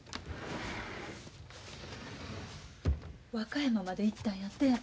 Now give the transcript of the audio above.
和歌山まで行ったんやて。